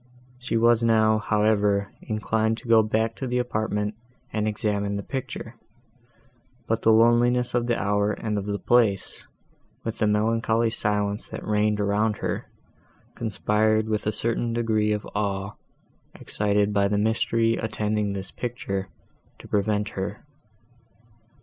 She was now, however, inclined to go back to the apartment and examine the picture; but the loneliness of the hour and of the place, with the melancholy silence that reigned around her, conspired with a certain degree of awe, excited by the mystery attending this picture, to prevent her.